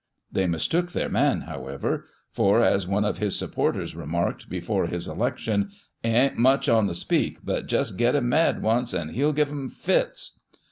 They mistook their man, however, for, as one of his supporters remarked before his election, "He ain't much on the speak, but jist git him mad once, and he'll give 'em fits."